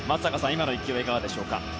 今の一球はいかがでしょうか。